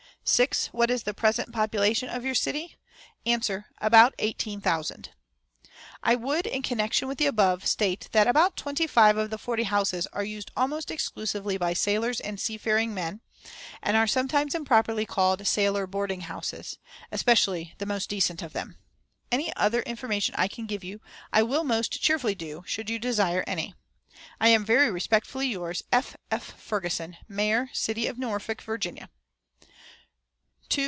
"6. What is the present population of your city? "Answer. About eighteen thousand. "I would, in connection with the above, state that about twenty five of the forty houses are used almost exclusively by sailors and seafaring men, and are sometimes improperly called 'Sailor Boarding houses,' especially the most decent of them. "Any other information I can give you I will most cheerfully do, should you desire any. "I am very respectfully yours, "F. F. FERGUSON, "Mayor City of Norfolk, Virginia.